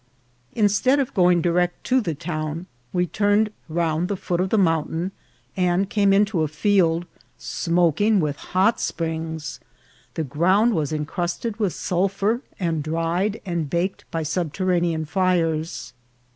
Instead of going direct to the town, we turned round the foot of the mountain, and came into a field smoking with hot springs. The ground was incrusted with sulphur, and dried and baked by sub terranean fires.